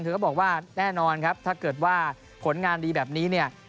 ก็บอกว่าแน่นอนครับถ้าเกิดว่าผลงานดีแบบนี้เนี่ย